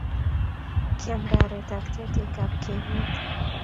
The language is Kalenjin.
Kiam ndaret arte eng' kapkeimete